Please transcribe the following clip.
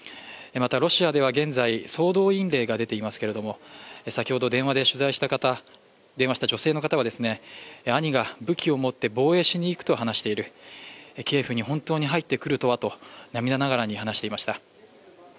また、ロシアでは現在、総動員令が出ていますけれども、先ほど、電話で取材した女性の方は兄が武器を持って防衛しに行くと話している、キエフに本当に入ってくるとはと、涙ながらに話していました。